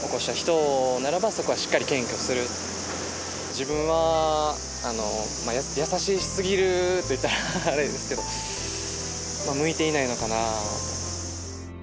自分は優しすぎると言ったらあれですけど向いていないのかなと。